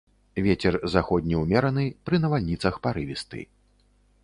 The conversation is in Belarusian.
Вецер заходні ўмераны, пры навальніцах парывісты.